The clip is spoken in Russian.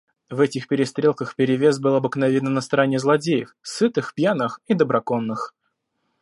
В этих перестрелках перевес был обыкновенно на стороне злодеев, сытых, пьяных и доброконных.